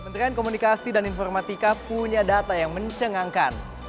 kementerian komunikasi dan informatika punya data yang mencengangkan